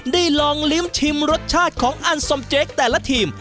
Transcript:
ได้ลองลิ้มชิมรสชาติของอันสมเจ๊กแต่ละทีม